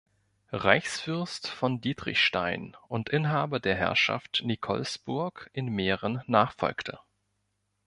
Reichsfürst von Dietrichstein und Inhaber der Herrschaft Nikolsburg in Mähren nachfolgte.